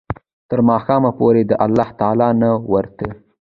تر ماښامه پوري د الله تعالی نه ورته